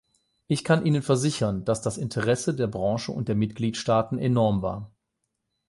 Ich kann Ihnen versichern, dass das Interesse der Branche und der Mitgliedstaaten enorm war.